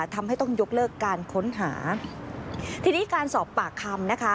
ทำให้ต้องยกเลิกการค้นหาทีนี้การสอบปากคำนะคะ